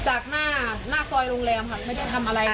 จากหน้าซอยโรงแรมค่ะไม่ได้ทำอะไร